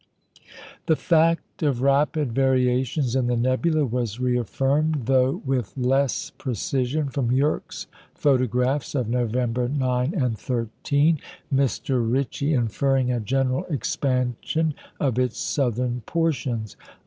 The fact of rapid variations in the nebula was reaffirmed, though with less precision, from Yerkes photographs of November 9 and 13, Mr. Ritchey inferring a general expansion of its southern portions.